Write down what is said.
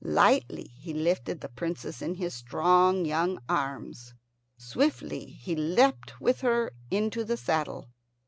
Lightly he lifted the Princess in his strong young arms. Swiftly he leapt with her into the saddle.